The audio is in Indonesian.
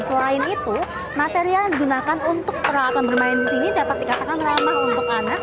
selain itu material yang digunakan untuk peralatan bermain di sini dapat dikatakan ramah untuk anak